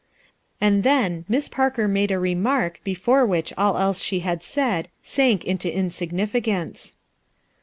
And then, Miss Parker made a remark Ijcforc which all else that ahc had said sank into insig nificance.